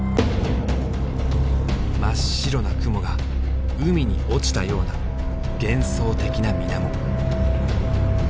真っ白な雲が海に落ちたような幻想的な水面。